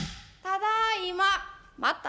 「ただいま」。